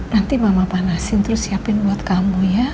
nanti mama panasin terus siapin buat kamu ya